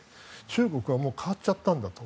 中国はもう変わっちゃったんだと。